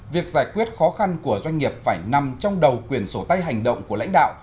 việc giải quyết khó khăn của doanh nghiệp phải nằm trong đầu quyền sổ tay hành động của lãnh đạo